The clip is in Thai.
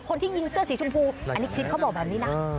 คนที่ยิงเสื้อสีชมพูอันนี้คลิปเขาบอกแบบนี้นะ